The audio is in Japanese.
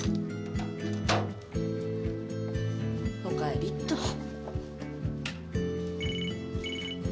おかえりっと。